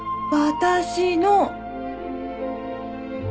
私の！